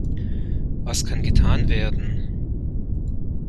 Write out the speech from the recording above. Was kann getan werden?